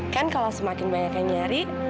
kan kalau semakin banyak yang nyari